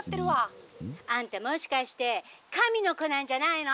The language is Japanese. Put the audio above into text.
「あんたもしかして神の子なんじゃないの？」。